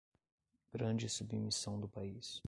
grande submissão do país